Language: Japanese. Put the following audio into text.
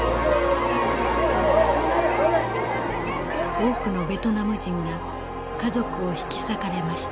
多くのベトナム人が家族を引き裂かれました。